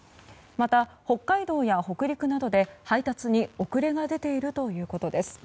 また、北海道や北陸などで配達に遅れが出ているということです。